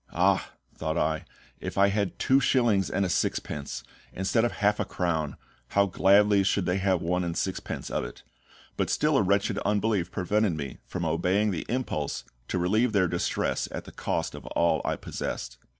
"Ah!" thought I, "if I had two shillings and a sixpence instead of half a crown, how gladly should they have one and sixpence of it!" But still a wretched unbelief prevented me from obeying the impulse to relieve their distress at the cost of all I possessed.